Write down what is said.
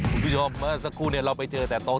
คุณผู้ชมเมื่อสักครู่เราไปเจอแต่โต๊ะ